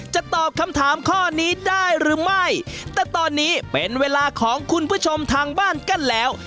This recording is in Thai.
ตอบคำถามข้อนี้ได้หรือไม่แต่ตอนนี้เป็นเวลาของคุณผู้ชมทางบ้านกันแล้ว